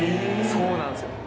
そうなんですよ。